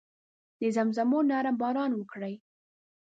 د زمزمو نرم باران وکړي